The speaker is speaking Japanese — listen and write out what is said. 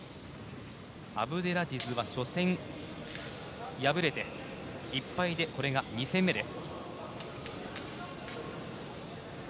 アブデラジズは初戦敗れて１敗でこれが２戦目です。